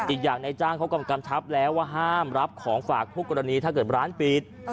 อีกอย่างในจ้างเขาก็กำชับแล้วว่าห้ามรับของฝากคู่กรณีถ้าเกิดร้านปิด